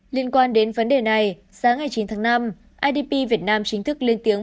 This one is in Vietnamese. liên quan đến vấn đề này sáng hai mươi chín tháng năm idp việt nam chính thức lên tiếng